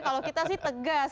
kalau kita sih tegas